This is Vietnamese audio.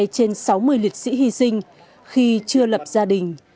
năm mươi hai trên sáu mươi liệt sĩ hy sinh khi chưa lập gia đình